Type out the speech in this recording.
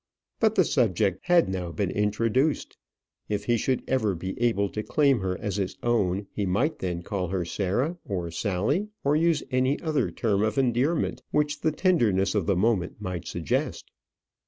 But the subject had now been introduced. If he should ever be able to claim her as his own, he might then call her Sarah, or Sally, or use any other term of endearment which the tenderness of the moment might suggest.